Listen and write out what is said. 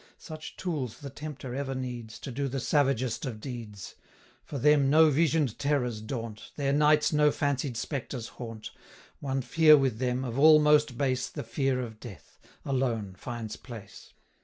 Such tools the Tempter ever needs, To do the savagest of deeds; For them no vision'd terrors daunt, Their nights no fancied spectres haunt, 425 One fear with them, of all most base, The fear of death, alone finds place.